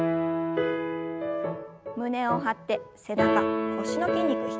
胸を張って背中腰の筋肉引き締めます。